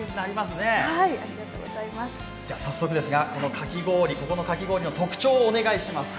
早速ですが、ここのかき氷の特徴をお願いします。